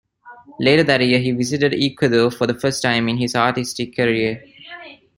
Later that year he visited Ecuador for the first time in his artistic career.